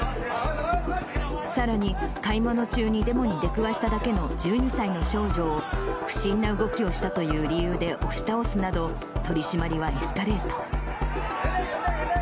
さらに買い物中にデモに出くわしただけの１２歳の少女を、不審な動きをしたという理由で押し倒すなど、取締りはエスカレート。